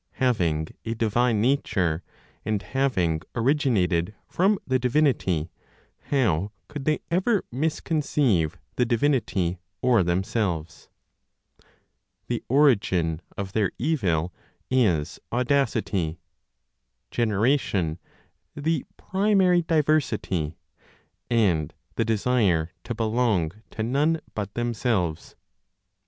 Having a divine nature, and having originated from the divinity, how could they ever misconceive the divinity or themselves? The origin of their evil is "audacity," generation, the primary diversity, and the desire to belong to none but themselves.